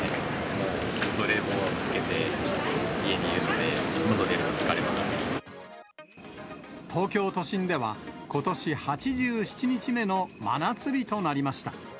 もうずっと冷房つけて家にいるので、東京都心では、ことし８７日目の真夏日となりました。